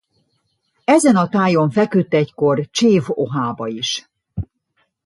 Ezen a tájon feküdt egykor Csév-Ohába is.